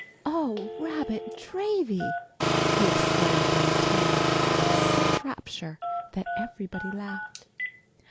"Oh, rabbit dravy!" he exclaimed in a tone of such rapture that everybody laughed.